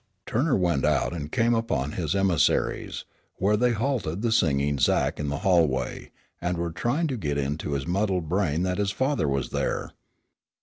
Turner went out and came upon his emissaries, where they had halted the singing Zach in the hallway, and were trying to get into his muddled brain that his father was there.